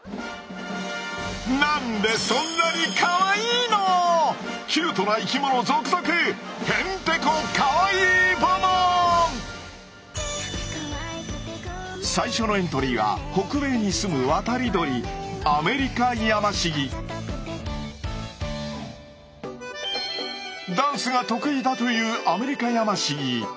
何でそんなにカワイイの⁉キュートな生きものゾクゾク最初のエントリーは北米にすむ渡り鳥ダンスが得意だというアメリカヤマシギ。